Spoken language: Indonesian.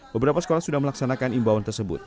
beberapa sekolah sudah melaksanakan imbauan tersebut